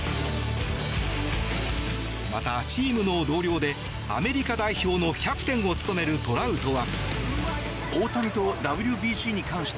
また、チームの同僚でアメリカ代表のキャプテンを務めるトラウトは。